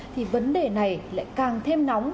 thì vấn đề này lại càng thêm nóng